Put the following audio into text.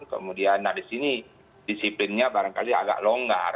kemudian disini disiplinnya barangkali agak longgar